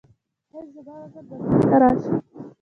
ایا زما وزن به بیرته راشي؟